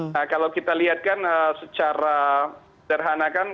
nah kalau kita lihat kan secara terhanakan